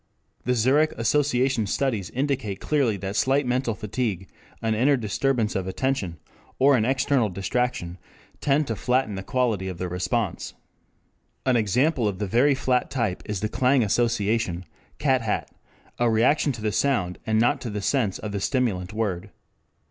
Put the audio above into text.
] The Zurich Association Studies indicate clearly that slight mental fatigue, an inner disturbance of attention or an external distraction, tend to "flatten" the quality of the response. An example of the very "flat" type is the clang association (cat hat), a reaction to the sound and not to the sense of the stimulant word.